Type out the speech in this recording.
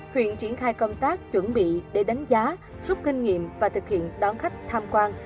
huyện triển khai công tác chuẩn bị để đánh giá rút kinh nghiệm và thực hiện đón khách tham quan